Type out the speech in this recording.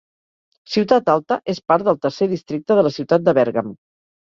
Ciutat Alta és part del Tercer Districte de la ciutat de Bèrgam.